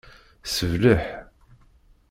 Sebleḥ.